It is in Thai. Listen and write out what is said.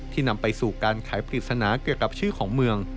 นำไปสู่การขายปริศนาเกี่ยวกับชื่อของเมือง